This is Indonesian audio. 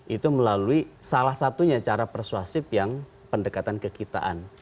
itu melalui salah satunya cara persuasif yang pendekatan kekitaan